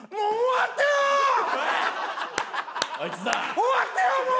終わってよもう！